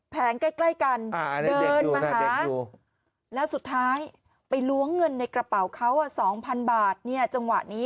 แผงใกล้เกินเถินอาหารและสุดท้ายไปละวงเงินในกระเป๋าเขาอ่ะ๒พันบาทเนี่ยจังหวะนี้